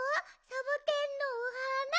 サボテンのおはな！